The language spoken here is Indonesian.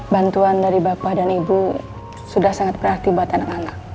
bantuan dari bapak dan ibu sudah sangat berarti buat anak anak